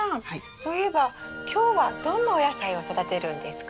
そういえば今日はどんなお野菜を育てるんですか？